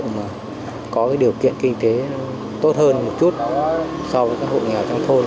và có điều kiện kinh tế tốt hơn một chút so với các hội nghèo trong thôn